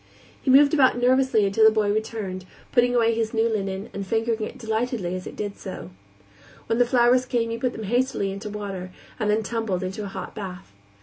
He moved about nervously until the boy returned, putting away his new linen and fingering it delightedly as he did so. When the flowers came he put them hastily into water, and then tumbled into a hot bath.